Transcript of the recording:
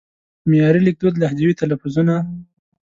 معیاري لیکدود لهجوي تلفظونه